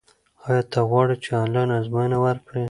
ایا ته غواړې چې آنلاین ازموینه ورکړې؟